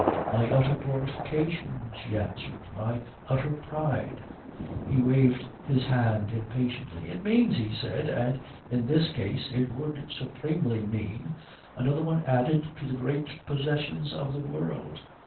"My utter glorification," she answered, "my utter pride." He waved his hand impatiently. "It means," he said, "and in this case it would supremely mean, another one added to the great possessions of the world."